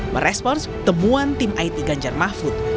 merespons temuan tim it ganjar mahfud